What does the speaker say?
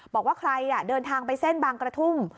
บอกว่าใครเดินทางไปเส้นบางกระทุ่ม